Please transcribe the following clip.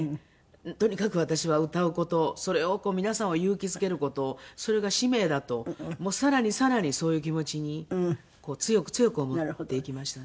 とにかく私は歌う事それを皆さんを勇気づける事それが使命だと更に更にそういう気持ちに強く強く思っていきましたね。